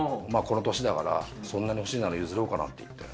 この年だからそんなに欲しいなら譲ろうかなっていって。